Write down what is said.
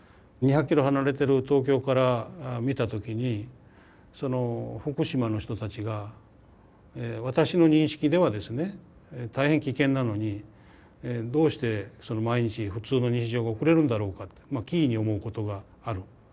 ２００キロ離れてる東京から見た時に福島の人たちが私の認識ではですね大変危険なのにどうして毎日普通の日常が送れるんだろうかって奇異に思うことがある。